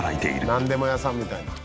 なんでも屋さんみたいな。